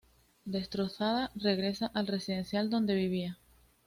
Destrozada, regresa al residencial donde vivía.